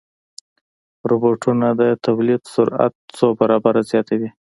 روبوټونه د تولید سرعت څو برابره زیاتوي.